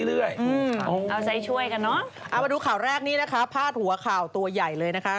เอามาดูข่าวแรกนี่นะคะพลาดหัวข่าวตัวใหญ่เลยนะค่ะ